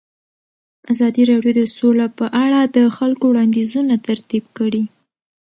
ازادي راډیو د سوله په اړه د خلکو وړاندیزونه ترتیب کړي.